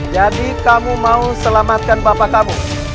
jadi kamu mau selamatkan bapak kamu